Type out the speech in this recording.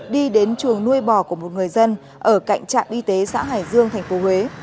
đi đến trường nuôi bò của một người dân ở cạnh trạm y tế xã hải dương tp huế